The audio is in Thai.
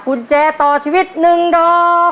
มโจขต่อชีวิตหนึ่งรอบ